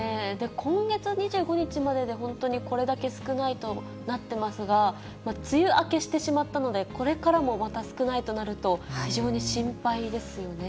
今月２５日までで、本当にこれだけ少ないとなってますが、梅雨明けしてしまったので、これからもまた少ないとなると、非常に心配ですよね。